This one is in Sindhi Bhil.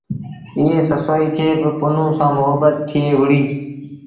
ائيٚݩ سسئيٚ کي با پنهون سآݩ مهبت ٿئي وُهڙي۔